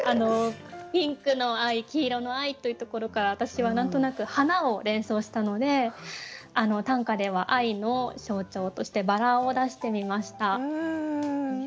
「ピンクの愛」「黄色の愛」というところから私は何となく花を連想したので短歌では愛の象徴として薔薇を出してみました。